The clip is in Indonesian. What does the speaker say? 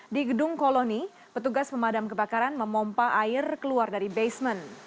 di gedung koloni petugas pemadam kebakaran memompa air keluar dari basement